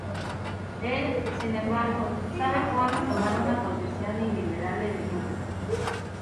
Él, sin embargo, sabe cuándo tomar una posición y liderar el equipo.